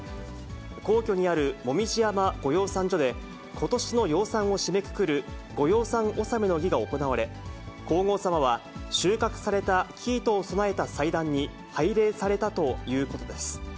皇居にある紅葉山御養蚕所で、ことしの養蚕を締めくくる、御養蚕納の儀が行われ、皇后さまは収穫された生糸を備えた祭壇に拝礼されたということです。